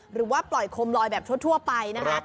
หรือว่าปล่อยโคมลอยแบบทั่วไปนะคะ